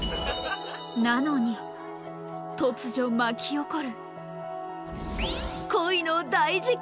なのに突如巻き起こる恋の大事件！